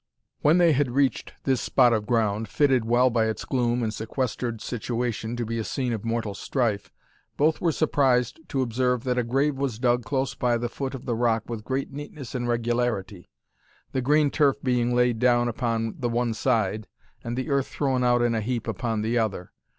When they had reached this spot of ground, fitted well by its gloom and sequestered situation to be a scene of mortal strife, both were surprised to observe that a grave was dug close by the foot of the rock with great neatness and regularity, the green turf being laid down upon the one side, and the earth thrown out in a heap upon the other.